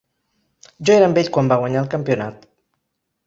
Jo era amb ell quan va guanyar el campionat.